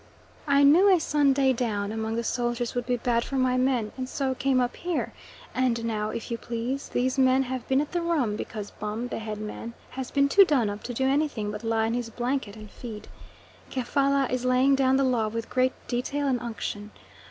I knew a Sunday down among the soldiers would be bad for my men, and so came up here, and now, if you please, these men have been at the rum, because Bum, the head man, has been too done up to do anything but lie in his blanket and feed. Kefalla is laying down the law with great detail and unction.